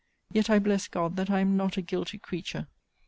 Yet, I bless God, that I am not a guilty creature!